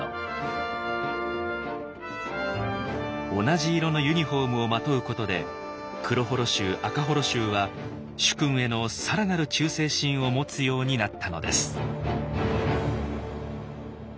同じ色のユニフォームをまとうことで黒母衣衆赤母衣衆は主君へのさらなる忠誠心を持つようになったのです。